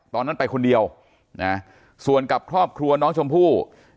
ตอนนั้นไปคนเดียวนะส่วนกับครอบครัวน้องชมพู่